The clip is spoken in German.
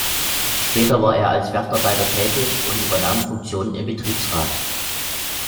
Später war er als Werftarbeiter tätig und übernahm Funktionen im Betriebsrat.